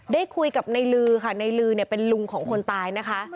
ได้คุยกับในลือค่ะในลือเนี่ยเป็นลุงของคนตายนะคะ